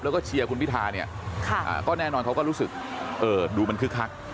แล้วก็เชียร์คุณพิธาเนี่ยก็แน่นอนเขาก็รู้สึกดูมันคึกคัก